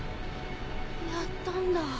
やったんだ。